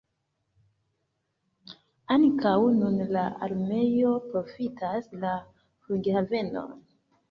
Ankaŭ nun la armeo profitas la flughavenon.